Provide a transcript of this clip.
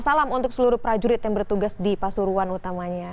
salam untuk seluruh prajurit yang bertugas di pasuruan utamanya